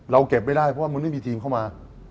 เก็บไม่ได้เพราะว่ามันไม่มีทีมเข้ามา